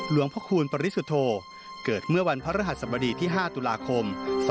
หลวงพระคูณปริสุทธโธเกิดเมื่อวันพระรหัสบดีที่๕ตุลาคม๒๕๖